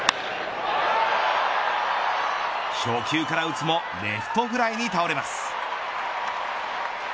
初球から打つもレフトフライに倒れます。